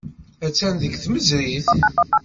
Attan deg tmesrit.